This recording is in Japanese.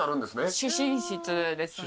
主寝室ですね。